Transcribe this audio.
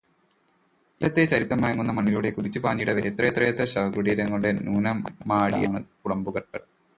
ഇന്നലത്തെ ചരിത്രം മയങ്ങുന്ന മണ്ണിലൂടെ കുതിച്ചുപാഞ്ഞീടവെ എത്രയെത്ര ശവകുടീരങ്ങളിൽ ന്രുത്തമാടിയതാണാക്കുളമ്പുകൾ